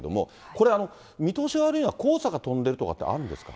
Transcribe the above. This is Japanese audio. これ、見通しが悪いのは黄砂が飛んでるとかってあるんですか？